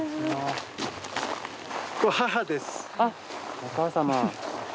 お母様。